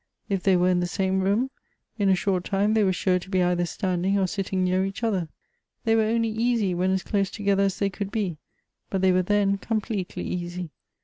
If they were in the same room, in a short time they were sure to be either standing or sitting near each other ; they were only easy when as close together as they could be, but they were then completely easy.